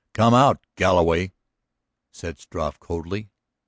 "Come out, Galloway," said Struve coldly.